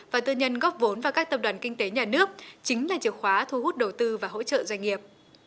và tư nhân góp vốn vào các tập đoàn kinh tế nhà nước chính là chìa khóa thu hút đầu tư và hỗ trợ doanh nghiệp